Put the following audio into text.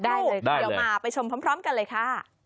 เดี๋ยวมาไปชมพร้อมกันเลยค่ะ